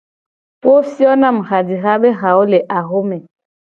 Wo fio na mu hajiha be hawo le axome.